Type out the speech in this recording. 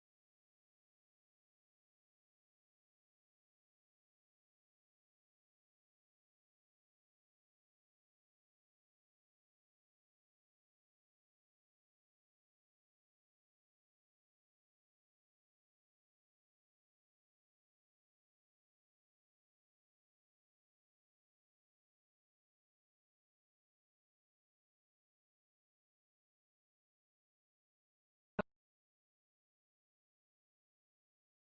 kita harus belajar tentang